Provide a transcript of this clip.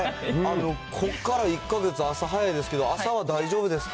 ここから１か月、朝早いですけど、朝は大丈夫ですか？